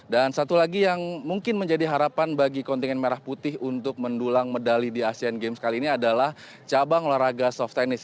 satu lagi yang mungkin menjadi harapan bagi kontingen merah putih untuk mendulang medali di asean games kali ini adalah cabang olahraga soft tennis